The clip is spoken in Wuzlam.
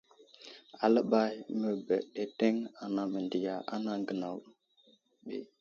Aləɓay məbeɗeteŋ anaŋ mendiya anaŋ gənaw.